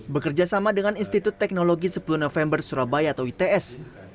bekerja sama dengan institut teknologi sepuluh november surabaya atau its